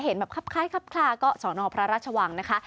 เห็นแบบคับคล้ายคับคลาก็สอนอพระราชวังนะคะ